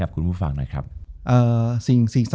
จบการโรงแรมจบการโรงแรม